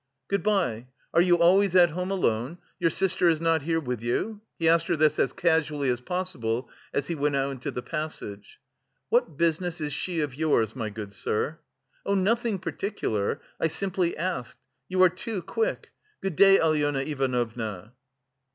"Good bye are you always at home alone, your sister is not here with you?" He asked her as casually as possible as he went out into the passage. "What business is she of yours, my good sir?" "Oh, nothing particular, I simply asked. You are too quick.... Good day, Alyona Ivanovna."